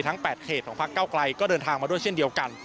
๘เขตของพักเก้าไกลก็เดินทางมาด้วยเช่นเดียวกัน